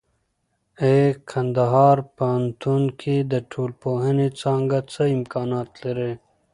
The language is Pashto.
اې کندهار پوهنتون کې د ټولنپوهنې څانګه څه امکانات لري؟